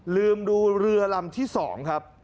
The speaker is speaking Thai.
ลืมดูเรือลำที่๒ครับ